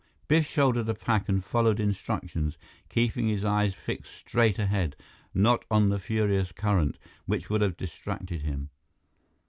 Biff shouldered a pack and followed instructions, keeping his eyes fixed straight ahead, not on the furious current, which would have distracted him.